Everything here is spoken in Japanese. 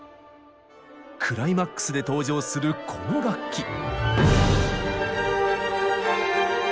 クライマックスで登場するこの楽器。